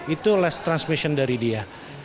itu less transmission dari dia